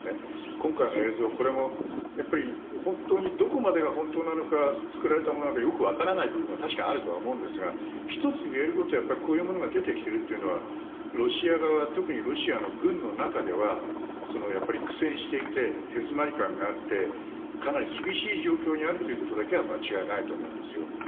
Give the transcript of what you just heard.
今回の映像もどこまでが本当なのか作られたものなのかよく分からない部分は確かにあると思いますが１つ、言えることはやっぱりこういうものが出てきているということはロシア側特にロシアの軍の中ではやっぱり苦戦していて手詰まり感があってかなり厳しい状況にあることだけは間違いないと思うんですよ。